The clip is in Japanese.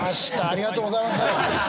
ありがとうございます。